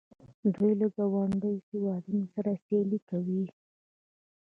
دوی له ګاونډیو هیوادونو سره سیالي کوي.